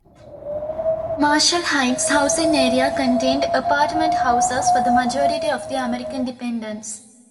Marshall Heights Housing Area contained apartment houses for the majority of the American dependents.